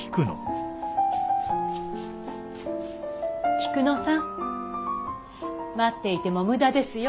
菊野さん待っていても無駄ですよ。